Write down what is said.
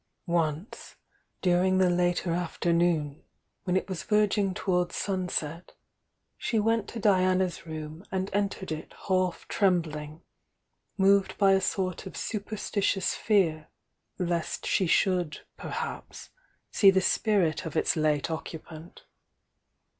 Once, during the later afternoon, when it was verging towards sunset, die went to Diana's room and entered it half trembUng, moved by a sort of superstitious fear lest die should perhaps see the spirit of its late occupant.